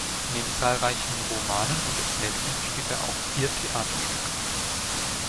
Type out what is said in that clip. Neben zahlreichen Romanen und Erzählungen schrieb er auch vier Theaterstücke.